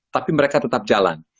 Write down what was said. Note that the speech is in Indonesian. tapi mereka tetap jalan